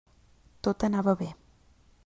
Tot anava bé.